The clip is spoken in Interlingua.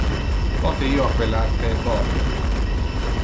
Pote io appellar te Bob?